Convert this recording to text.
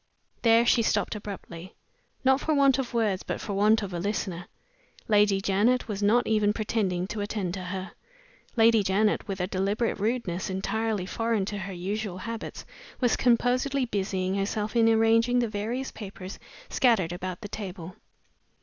There she stopped abruptly not for want of words, but for want of a listener. Lady Janet was not even pretending to attend to her. Lady Janet, with a deliberate rudeness entirely foreign to her usual habits, was composedly busying herself in arranging the various papers scattered about the table.